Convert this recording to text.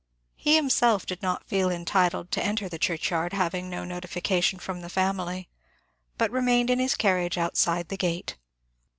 He himself did not feel entitled to enter the churchyard, having had no notifica tion from the family, but remained in his carriage outside the gate.